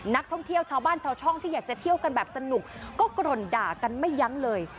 นักท่องเที่ยวชาวบ้านชาวช่องที่อยากจะเที่ยวกันแบบสนุกก็กรนด่ากันไม่ยั้งเลย